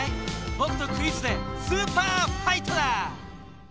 ボクとクイズでスーパーファイトだ！